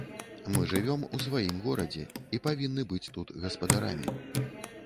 Мы жывём у сваім горадзе і павінны быць тут гаспадарамі.